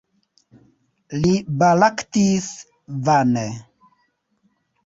Li baraktis vane.